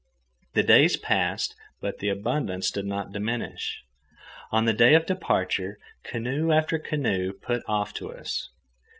The days passed, but the abundance did not diminish. On the day of departure, canoe after canoe put off to us.